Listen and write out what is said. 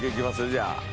じゃあ。